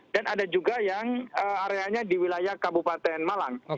dan ada juga yang areanya di wilayah kabupaten lumajang